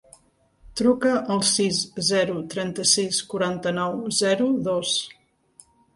Truca al sis, zero, trenta-sis, quaranta-nou, zero, dos.